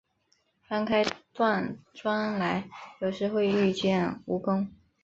翻开断砖来，有时会遇见蜈蚣